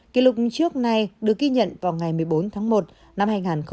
kỷ lục trước nay được ghi nhận vào ngày một mươi bốn tháng một năm hai nghìn hai mươi